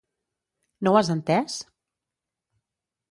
No ho has entès?